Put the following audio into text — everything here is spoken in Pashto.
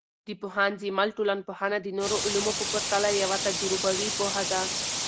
د پوهاند زیمل ټولنپوهنه د نورو علومو په پرتله یوه تجربوي پوهه ده.